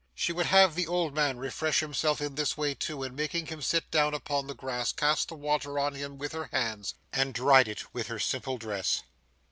She would have the old man refresh himself in this way too, and making him sit down upon the grass, cast the water on him with her hands, and dried it with her simple dress.